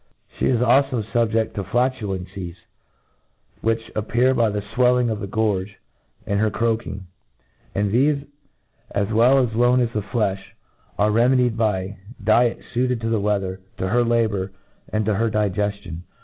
She is alfo fubjeft to flatulencies, which appear by the fwelling of the gorge, and her croaking ; And thefe, as well as lowncfo of flefh, arc remedied by diet fuited to the weather, to her labour, and to her digeiUon.